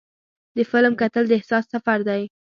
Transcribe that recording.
د فلم کتل د احساس سفر دی.